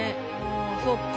そっか。